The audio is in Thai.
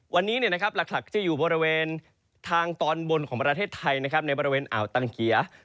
วันนี้หลักจะอยู่บริเวณทางตอนบนของประเทศไทยในบริเวณอ่าวตังเกีย